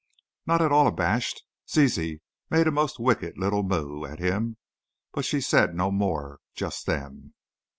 Not at all abashed, Zizi made a most wicked little moue at him, but she said no more just then.